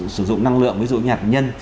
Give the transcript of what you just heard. sử dụng năng lượng ví dụ như nhà tình nhân